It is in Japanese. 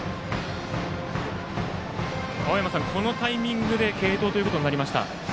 青山さん、このタイミングで継投となりました。